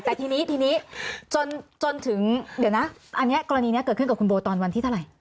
แต่ทีนี้ทีนี้จนถึงเดี๋ยวนะอันนี้กรณีนี้เกิดขึ้นกับคุณโบตอนวันที่เท่าไหร่